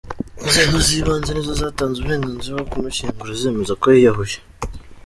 Inzego z’ibanze ni zo zatanze uburenganzira bwo kumushyingura, zemeza ko yiyahuye.